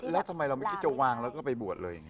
แล้วทำไมเราไม่คิดจะวางแล้วก็ไปบวชเลยอย่างนี้